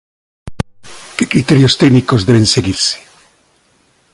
Que criterios técnicos deben seguirse?